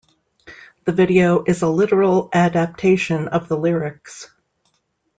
The video is a literal adaptation of the lyrics.